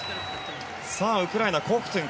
ウクライナのコフトゥン。